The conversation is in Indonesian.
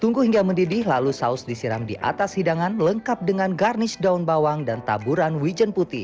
tunggu hingga mendidih lalu saus disiram di atas hidangan lengkap dengan garnish daun bawang dan taburan wijen putih